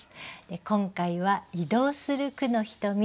今回は「移動する『句のひとみ』」